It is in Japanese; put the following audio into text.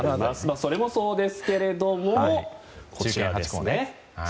それもそうですけれどもこちらですね